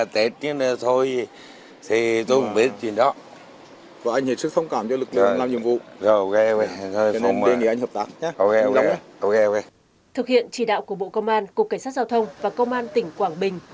thực hiện chỉ đạo của bộ công an cục cảnh sát giao thông và công an tỉnh quảng bình